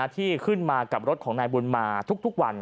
ที่ขึ้นมากับรถของนายบุญมาทุกวัน